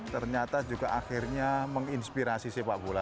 ternyata juga akhirnya menginspirasi sepak bola